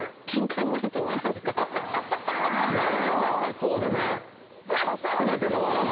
ならなさそうだな。